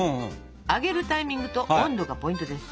揚げるタイミングと温度がポイントです。